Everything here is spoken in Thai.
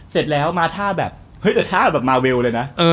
เสร็จแล้วมาท่าแบบเฮ้ยแต่ท่าแบบมาเวลเลยนะ